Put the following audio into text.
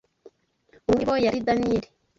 Umwe muri bo yari Daniyeli